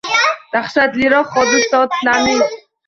Dahshatliroq hodisotlarning